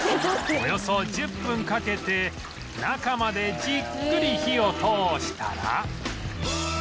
およそ１０分かけて中までじっくり火を通したら